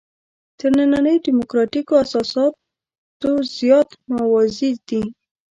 تر نننیو دیموکراتیکو اساساتو زیات موازي دي.